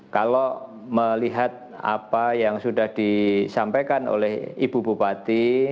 kalau melihat apa yang sudah disampaikan oleh ibu bupati